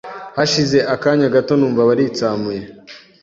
hashize akanya gato numva baritsamuye